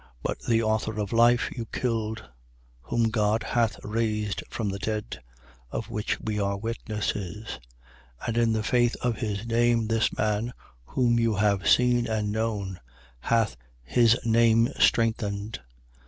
3:15. But the author of life you killed, whom God hath raised from the dead: of which we are witnesses. 3:16. And in the faith of his name, this man, whom you have seen and known, hath his name strengthened.